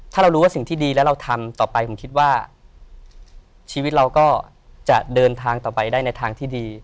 ถ้าเรารู้สึกที่ดีแล้วเราทำต่อไปคงคิดว่าชีวิตเราก็จะเดินทางต่อไปได้